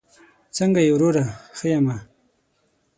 څنګه یې وروره؟ ښه یمه